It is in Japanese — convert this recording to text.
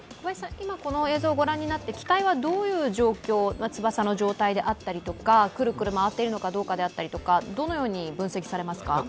今、この映像を御覧になって機体はどういう状況であったりくるくる回っているかということとか、どのように分析されますか？